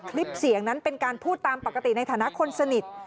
คลิปเสียงนั้นเป็นการพูดตามปกติในฐานะคนสนิท